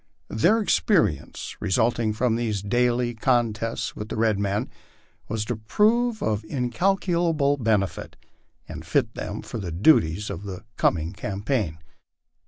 Their lence, resulting from these daily contests with the red men, was to prove of incalculable benefit, and fit them for the duties of the coming campaign.